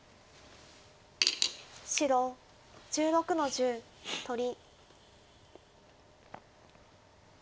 白１６の十取り。